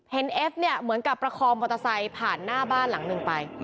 เอฟเนี่ยเหมือนกับประคองมอเตอร์ไซค์ผ่านหน้าบ้านหลังหนึ่งไป